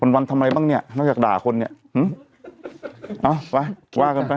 วันวันทำอะไรบ้างเนี้ยมันก็อยากด่าคนเนี้ยอืมเอาไว้ว่ากันไป